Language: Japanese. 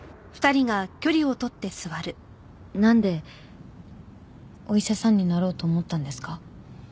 なんでお医者さんになろうと思ったんですか？